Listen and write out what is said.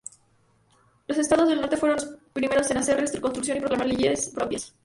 Los estados del norte fueron los primeros en hacer re-estructuración y proclamar leyes propias.